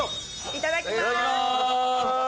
いただきます。